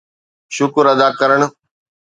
شڪر ادا ڪرڻ